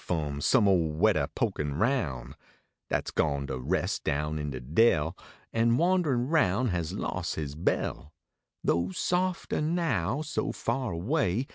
F om some ole wedder pokin roun , Dat s gone to res down in de dell. An wanderin roun has los his bell ; Tho softer now so far away.